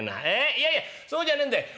いやいやそうじゃねえんだよ。